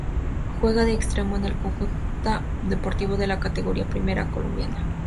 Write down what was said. Juega de extremo en el Cúcuta Deportivo de la Categoría Primera A colombiana.